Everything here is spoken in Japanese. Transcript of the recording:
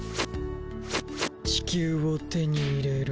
地球を手に入れる。